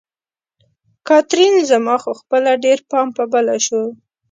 کاترین: زما خو خپله ډېر پام په بله شو.